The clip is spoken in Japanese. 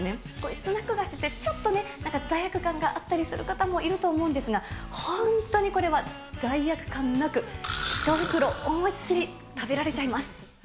スナック菓子って、ちょっとね、罪悪感があったりする方もいると思うんですが、本当にこれは罪悪感なく、一袋思いっきり食べられちゃいます。